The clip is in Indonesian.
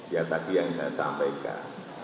ya tadi yang saya sampaikan